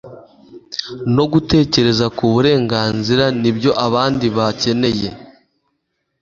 no gutekereza ku burenganzira n'ibyo abandi bakeneye